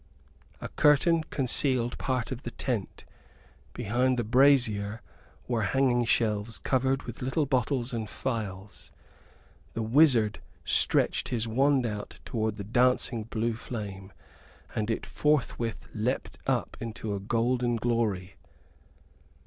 A curtain concealed part of the tent. Behind the brazier were hanging shelves covered with little bottles and phials. The wizard stretched his wand out towards the dancing blue flame, and it forthwith leaped up into a golden glory.